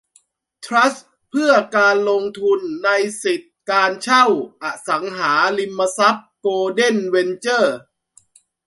ทรัสต์เพื่อการลงทุนในสิทธิการเช่าอสังหาริมทรัพย์โกลเด้นเวนเจอร์